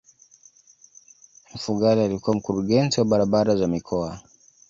mfugale alikuwa mkurugenzi wa barabara za mikoa